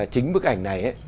chính bức ảnh này